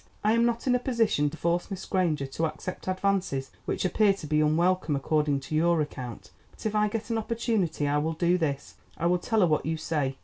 I am not in a position to force Miss Granger to accept advances which appear to be unwelcome according to your account. But if I get an opportunity I will do this: I will tell her what you say.